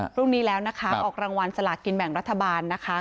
พรุ่งนี้แล้วนะคะออกรางวัลสลากินแบ่งรัฐบาลนะคะ